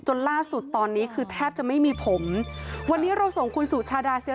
ล่าสุดตอนนี้คือแทบจะไม่มีผมวันนี้เราส่งคุณสุชาดาเซีย